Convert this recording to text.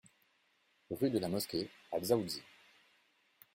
RUE DE LA MOSQUEE à Dzaoudzi